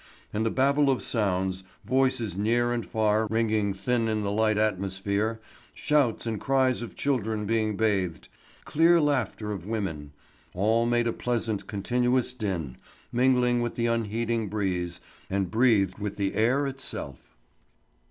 And the Babel of sounds—voices near and far ringing thin in the light atmosphere, shouts and cries of children being bathed, clear laughter of women—all made a pleasant, continuous din, mingling with the unheeding breeze, and breathed with the air itself.